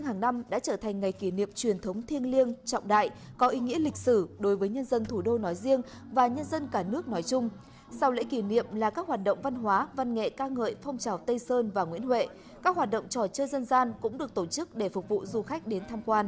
hãy đăng ký kênh để ủng hộ kênh của chúng mình nhé